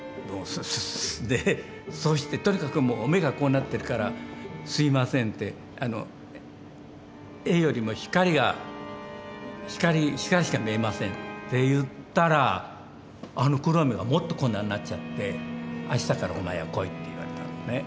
でそしてとにかく目がこうなってるから「すみません絵よりも光が光しか見えません」って言ったらあの黒い目がもっとこんなになっちゃって「あしたからお前は来い」って言われたんですね。